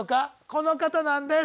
この方なんです。